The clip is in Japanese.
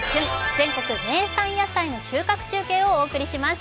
全国名産野菜の収穫中継をお送りします。